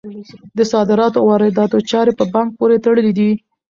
د صادراتو او وارداتو چارې په بانک پورې تړلي دي.